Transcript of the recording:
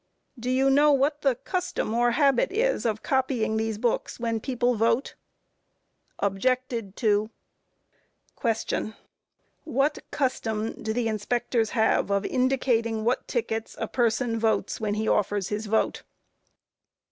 Q. Do you know what the custom or habit is of copying these books when people vote? Objected to. Q. What custom the inspectors have of indicating what tickets a person votes when he offers his vote?